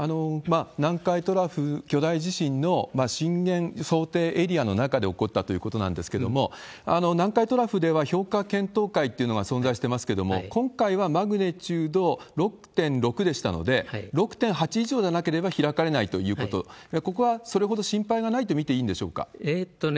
南海トラフ巨大地震の震源想定エリアの中で起こったということなんですけども、南海トラフでは評価検討会というのが存在してますけども、今回はマグニチュード６．６でしたので、６．８以上でなければ開かれないということ、ここはそれほど心配がないと見ていいんでしょうか？